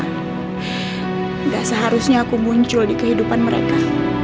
tidak seharusnya aku muncul di kehidupan mereka